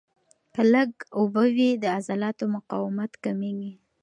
که لږ اوبه وي، د عضلاتو مقاومت کمېږي.